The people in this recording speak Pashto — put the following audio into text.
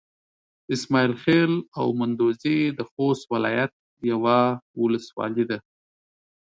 اسماعيل خېل او مندوزي د خوست ولايت يوه ولسوالي ده.